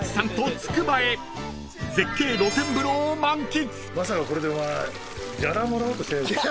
［絶景露天風呂を満喫］